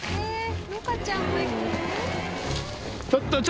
のかちゃんも行くの？